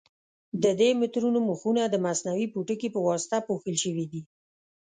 د دې مترونو مخونه د مصنوعي پوټکي په واسطه پوښل شوي دي.